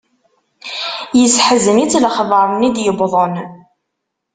Yesseḥzen-itt lexber-nni d-yewwḍen.